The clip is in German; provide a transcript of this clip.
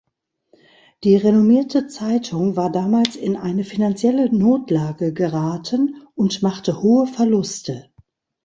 Die renommierte Zeitung war damals in eine finanzielle Notlage geraten und machte hohe Verluste.